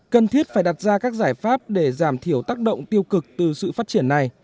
cần thiết phải đặt ra các giải pháp để giảm thiểu tác động tiêu cực từ sự phát triển này